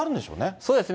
そうですね。